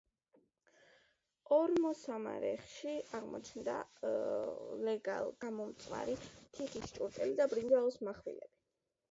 ორმოსამარხებში აღმოჩნდა ლეგად გამომწვარი თიხის ჭურჭელი და ბრინჯაოს მახვილები.